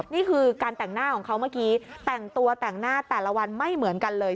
นี่คือการแต่งหน้าของเขาเมื่อกี้